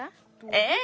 ええ。